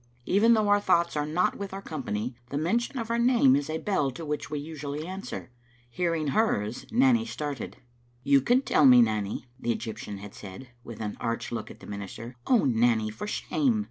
Bven though our thoughts are not with our company, the mention of our name is a bell to which we usually answer. Hearing hers Nanny started. "You can tell me, Nanny," the Egyptian had said, with an arch look at the minister. "Oh, Nanny, for shame!